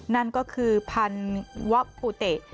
นั่นก็คือพันธุ์วะปุเตะ